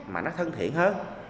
mà nó thân thiện hơn